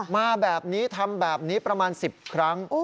มาแบบนี้ทำแบบนี้ประมาณ๑๐ครั้ง